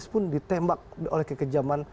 ataupun ditembak oleh kekejaman